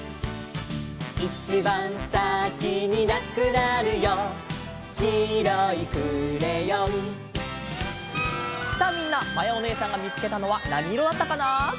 「いちばんさきになくなるよ」「きいろいクレヨン」さあみんなまやおねえさんがみつけたのはなにいろだったかな？